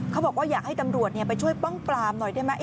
เขาบอกว่าอยากให้ตำรวจไปช่วยป้องปลามหน่อยได้ไหม